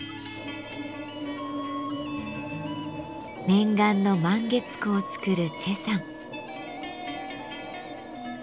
念願の満月壺を作る崔さん。